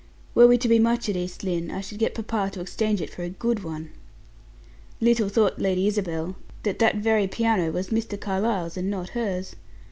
Were we to be much at East Lynne, I should get papa to exchange it for a good one." Little thought Lady Isabel that that very piano was Mr. Carlyle's, and not hers.